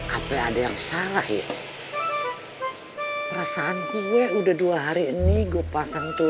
apa ada yang salah ya perasaan gue udah dua hari ini gue pasang tuh